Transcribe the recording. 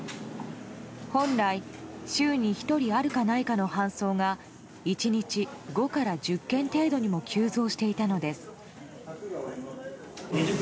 本来週に１人あるかないかの搬送が１日５から１０件程度に増加していたのです。